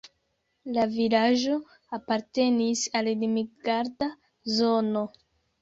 La vilaĝo apartenis al Limgarda zono.